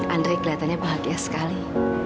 andre kelihatannya bahagia sekali